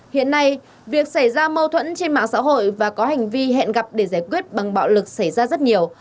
hiện nay việc xảy ra mâu thuẫn trên mạng xã hội và có hành vi hẹn gặp để giải quyết bằng bạo lực xảy ra rất nhiều